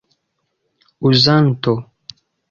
uzanto